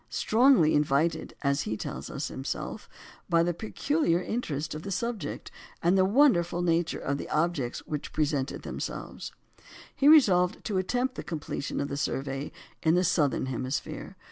"Strongly invited," as he tells us himself, "by the peculiar interest of the subject, and the wonderful nature of the objects which presented themselves," he resolved to attempt the completion of the survey in the southern hemisphere.